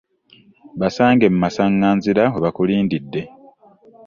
Basange mu masaŋŋanzira we bakulindidde.